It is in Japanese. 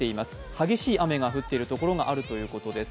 激しい雨が降っている所があるということです。